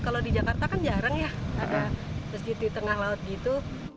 kalau di jakarta kan jarang ya ada masjid di tengah laut gitu